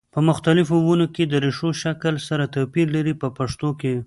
په مختلفو ونو کې د ریښو شکل سره توپیر لري په پښتو کې.